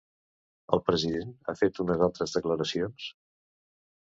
El president ha fet unes altres declaracions?